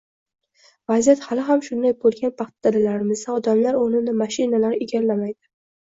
Vaziyat hali ham shunday bo'lgan paxta dalalarimizda odamlar o'rnini mashinalar egallamaydi